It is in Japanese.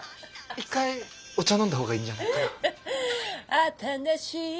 一回お茶飲んだ方がいいんじゃないかな？